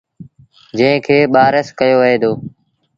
جݩهݩ کي ٻآرس ڪهيو وهي دو